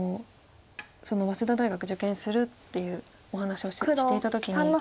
早稲田大学受験するっていうお話をしていた時に。